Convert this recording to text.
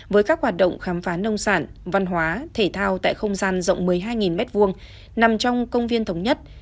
với các hoạt động khám phá nông sản văn hóa thể thao tại không gian rộng một mươi hai m hai nằm trong công viên thống nhất